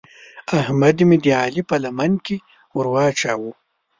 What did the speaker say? احمد مې د علي په لمن کې ور واچاوو.